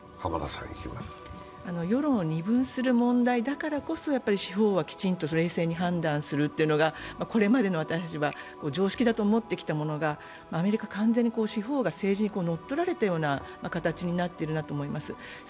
世論を二分する問題だからこそ、司法はきちんと冷静に判断するというのがこれまでの私たちは常識だと思ってきたものが、アメリカ、完全に司法が政治にのっとられたような形になってるなと思います。